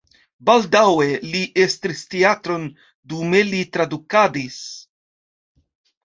Baldaŭe li estris teatron, dume li tradukadis.